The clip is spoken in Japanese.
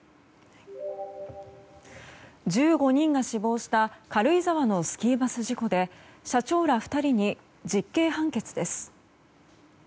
１５日が死亡した軽井沢のスキーバス事故で社長ら２人に実刑判決です。